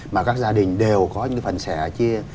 mà các gia đình đều có những phần sẻ chia